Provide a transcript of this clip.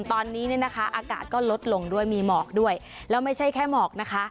ตอนนี้เนี่ยนะคะอากาศก็ลดลงด้วยมีหมอกด้วยแล้วไม่ใช่แค่หมอกนะคะ